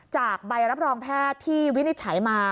ใบรับรองแพทย์ที่วินิจฉัยมา